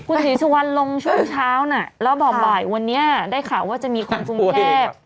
คุณศรีชะวันลงช่วงเช้าน่ะแล้วบอกบ่ายวันนี้ได้ข่าวว่าจะมีคนภูมิแทบ